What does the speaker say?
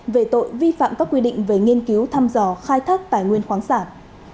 về tội vi phạm các quy định về nghiên cứu thăm dò khai thác tài nguyên khoáng sản